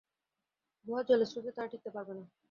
গুহায় জলের স্রোতে তারা টিকতে পারবে না।